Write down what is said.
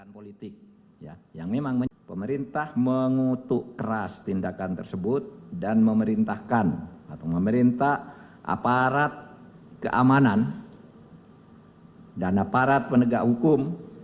pemerintah mengutuk keras tindakan tersebut dan memerintahkan aparat keamanan dan aparat penegak hukum